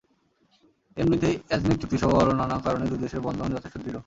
এমনিতেই অ্যাজনেক চুক্তিসহ আরও নানা কারণে দুই দেশের বন্ধন যথেষ্ট দৃঢ়।